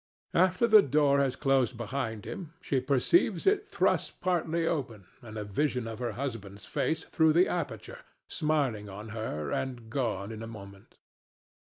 After the door has closed behind him, she perceives it thrust partly open and a vision of her husband's face through the aperture, smiling on her and gone in a moment.